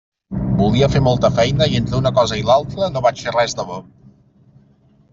Volia fer molta feina i entre una cosa i l'altra no vaig fer res de bo.